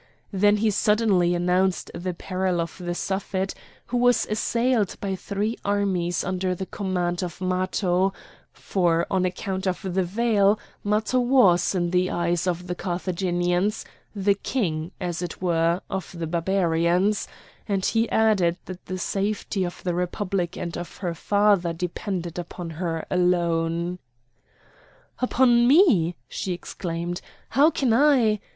Then he suddenly announced the peril of the Suffet, who was assailed by three armies under the command of Matho—for on account of the veil Matho was, in the eyes of the Carthaginians, the king, as it were, of the Barbarians,—and he added that the safety of the Republic and of her father depended upon her alone. "Upon me!" she exclaimed. "How can I—?"